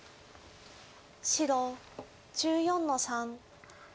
白１４の三。